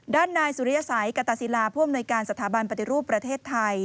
ด้านนายสุริยสัยกตาศิลาผู้อำนวยการสถาบันปฏิรูปประเทศไทย